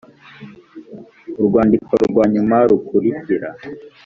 urwandiko rwa nyuma rukurikira